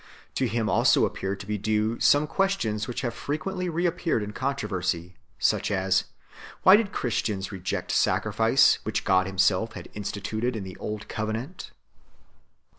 To him also appear to be due some questions which have frequently re appeared in controversy, such as : Why did Christians reject sacrifice, which God Himself had institu ted in the Old Covenant